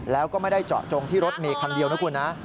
แล้วก็ไม่ได้เจาะจงที่รถเมย์คันเดียวนะคุณนะ